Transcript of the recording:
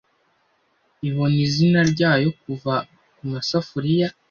ibona izina Ryayo Kuva kumasafuriya